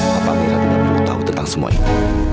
papa mereka tidak perlu tahu tentang semua itu